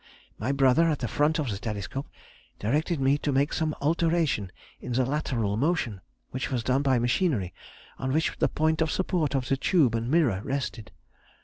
My brother, at the front of the telescope, directed me to make some alteration in the lateral motion, which was done by machinery, on which the point of support of the tube and mirror rested.